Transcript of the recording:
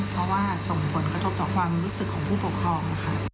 เพราะว่าส่งผลกระทบต่อความรู้สึกของผู้ปกครองนะคะ